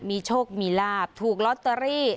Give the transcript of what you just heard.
มีโชคมีลาบถูกลอตเตอรี่